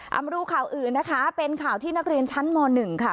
เอามาดูข่าวอื่นนะคะเป็นข่าวที่นักเรียนชั้นม๑ค่ะ